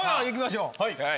いきましょう。